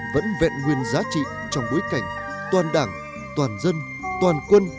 vẫn vẹn nguyên giá trị trong bối cảnh toàn đảng toàn dân toàn quân